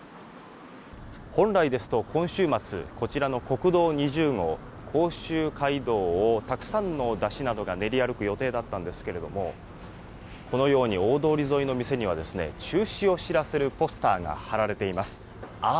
本来ですと、今週末こちらの国道２０号甲州街道をたくさんの山車などが練り歩く予定だったんですがこのように大通り沿いの店には中止を知らせるポスターが貼られています。